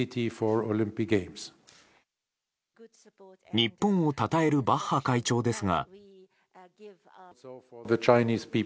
日本をたたえるバッハ会長ですが。